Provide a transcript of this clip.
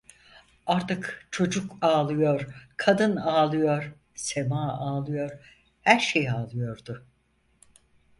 Artık çocuk ağlıyor, kadın ağlıyor, semâ ağlıyor, her şey ağlıyordu.